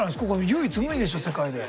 唯一無二でしょ世界で。